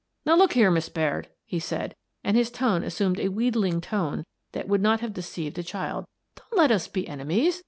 " Now, look here, Miss Baird," he said, — and his tone assumed a wheedling note that would not have deceived a child, —" don't let us be enemies.